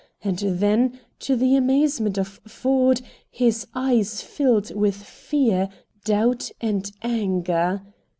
And then, to the amazement of Ford, his eyes filled with fear, doubt, and anger.